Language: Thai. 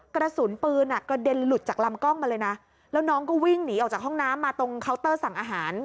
กระสุนปืนอ่ะกระเด็นหลุดจากลำกล้องมาเลยนะแล้วน้องก็วิ่งหนีออกจากห้องน้ำมาตรงเคาน์เตอร์สั่งอาหาร